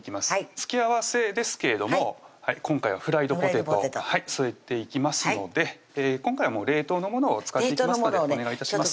付け合わせですけれども今回はフライドポテト添えていきますので今回もう冷凍のものを使っていきますのでお願い致します